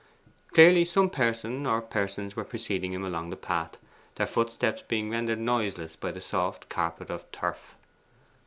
Clearly some person or persons were preceding him along the path, their footsteps being rendered noiseless by the soft carpet of turf.